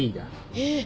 えっ！